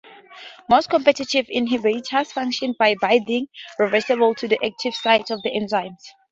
Most competitive inhibitors function by binding reversibly to the active site of the enzyme.